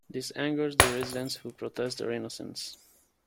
This angers the residents who protest their innocence.